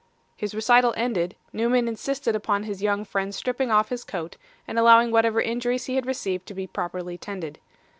His recital ended, Newman insisted upon his young friend's stripping off his coat and allowing whatever injuries he had received to be properly tended.